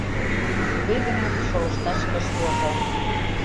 — Туге гынат шолышташ ыш вожыл.